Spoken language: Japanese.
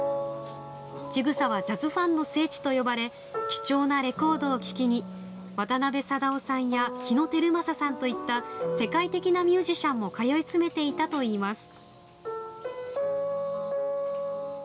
「ちぐさ」はジャズファンの「聖地」と呼ばれ貴重なレコードを聴きに渡辺貞夫さんや日野皓正さんといった世界的なミュージシャンも通い詰めていたといいます。